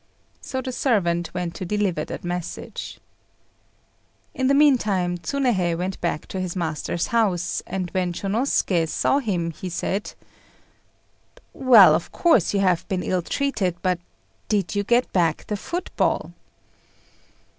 So the servant went to deliver the message. In the meantime Tsunéhei went back to his master's house; and when Shônosuké saw him, he said "Well, of course you have been ill treated; but did you get back the football?"